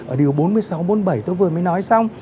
ở điều bốn mươi sáu bốn mươi bảy tôi vừa mới nói xong